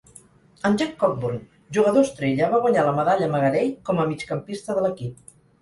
En Jack Cockburn, jugador estrella, va guanyar la Medalla Magarey com a migcampista de l'equip.